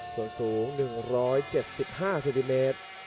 ส่วนสูง๑๗๕เซนติเมตร